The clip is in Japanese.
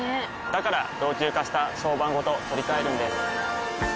から老朽化した床版ごと取り替えるんです。